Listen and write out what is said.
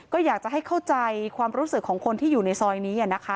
ก็อยากจะให้เข้าใจความรู้สึกของคนที่อยู่ในซอยนี้นะคะ